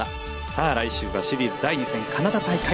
さあ来週はシリーズ第２戦カナダ大会。